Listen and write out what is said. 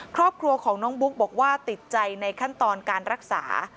ครอบครัวของน้องบุ๊กบอกว่าติดใจในขั้นตอนการรักษา